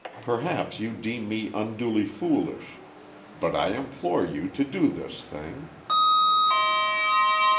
Perhaps you deem me unduly foolish. But I implore you to do this thing."